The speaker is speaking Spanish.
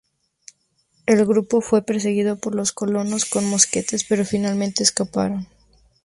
El grupo fue perseguido por los colonos con mosquetes, pero finalmente escaparon.